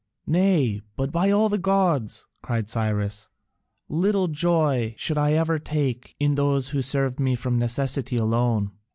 "Nay, but by all the gods," cried Cyrus, "little joy should I ever take in those who served me from necessity alone.